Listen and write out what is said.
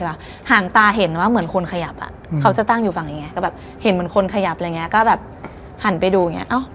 มันมีครั้งหนึ่ง